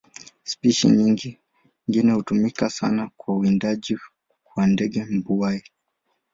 Spishi nyingine hutumika sana kwa uwindaji kwa ndege mbuai.